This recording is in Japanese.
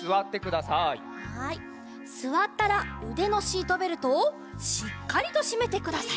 すわったらうでのシートベルトをしっかりとしめてください。